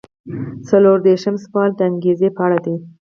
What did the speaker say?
څلور دېرشم سوال د انګیزې په اړه دی.